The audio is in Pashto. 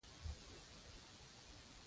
وسله غرور وژني